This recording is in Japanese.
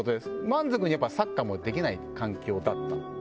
満足にサッカーもできない環境だった。